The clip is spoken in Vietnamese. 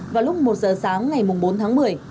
vào lúc một giờ sáng ngày bốn tháng một mươi